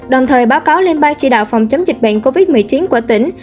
đồng thời báo cáo lên bang chỉ đạo phòng chống dịch bệnh covid một mươi chín của tỉnh